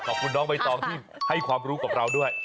ขอบคุณน้องใบตองที่ให้ความรู้กับเราด้วย